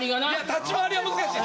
立ち回りは難しい。